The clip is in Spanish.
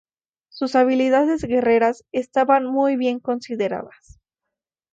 Sus habilidades guerreras estaban muy bien consideradas.